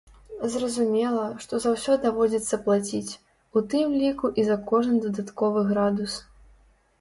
Зразумела, што за ўсё даводзіцца плаціць, у тым ліку і за кожны дадатковы градус.